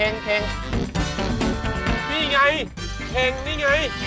นี่ไงเพลงนี่ไง